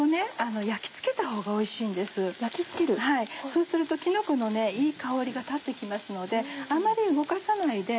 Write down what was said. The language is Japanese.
そうするときのこのいい香りが立って来ますのであまり動かさないで。